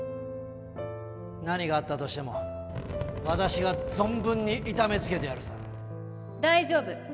何があったとしても私が存分に痛めつけてやるさ大丈夫。